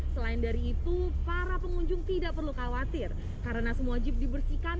selain dari itu para pengunjung tidak perlu khawatir karena semua jeep dibersihkan